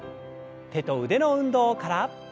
手と腕の運動から。